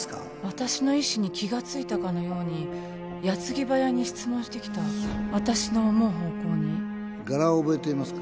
私の意思に気がついたかのように矢継ぎ早に質問してきた私の思う方向に柄を覚えていますか？